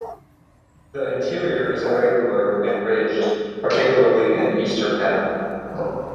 The interior is irregular and ridged, particularly in the eastern half.